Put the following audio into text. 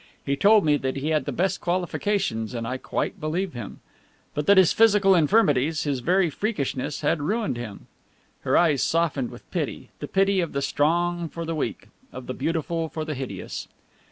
He told me that he had the best qualifications, and I quite believe him, but that his physical infirmities, his very freakishness had ruined him." Her eyes softened with pity the pity of the strong for the weak, of the beautiful for the hideous.